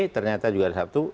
ternyata juga ada satu